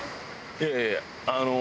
いやいやいやあの。